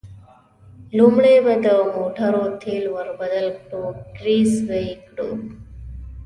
لومړی به د موټرو تېل ور بدل کړو، ګرېس به یې کړو.